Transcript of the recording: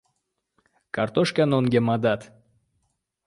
• Kartoshka — nonga madad.